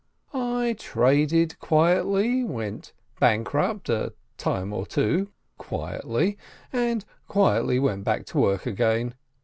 I traded quietly, went bankrupt a time or two quietly, and quietly went to work again.